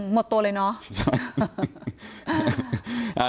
หมดตัวเลยเนาะ